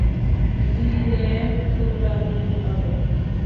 দিলে তোমরা দুঃখ পাবে।